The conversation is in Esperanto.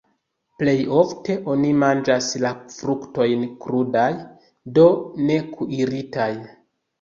Plej ofte oni manĝas la fruktojn krudaj, do ne kuiritaj.